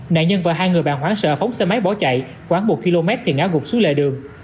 nạn nhân và hai người bạn hoãn sợ phóng xe máy bỏ chạy khoảng một km thì ngã gục xuống lề đường